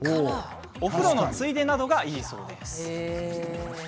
お風呂のついでなどがいいそうです。